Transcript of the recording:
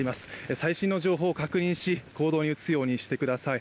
最新の情報を確認し、行動に移すようにしてください。